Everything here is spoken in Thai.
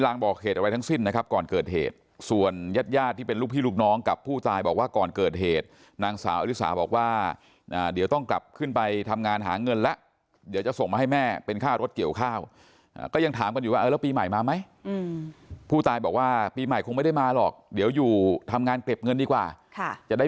บอกเหตุอะไรทั้งสิ้นนะครับก่อนเกิดเหตุส่วนญาติญาติที่เป็นลูกพี่ลูกน้องกับผู้ตายบอกว่าก่อนเกิดเหตุนางสาวอริสาบอกว่าเดี๋ยวต้องกลับขึ้นไปทำงานหาเงินแล้วเดี๋ยวจะส่งมาให้แม่เป็นค่ารถเกี่ยวข้าวก็ยังถามกันอยู่ว่าเออแล้วปีใหม่มาไหมผู้ตายบอกว่าปีใหม่คงไม่ได้มาหรอกเดี๋ยวอยู่ทำงานเก็บเงินดีกว่าค่ะจะได้